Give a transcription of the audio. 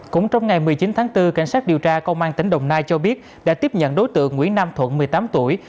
cũng trong ngày một mươi chín tháng bốn cảnh sát điều tra công an tỉnh đồng nai cho biết đã tiếp nhận đối tượng nguyễn nam thuận một mươi tám tuổi